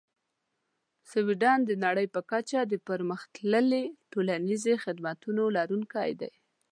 سویدن د نړۍ په کچه د پرمختللې ټولنیزې خدمتونو لرونکی دی.